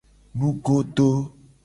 Nugodo.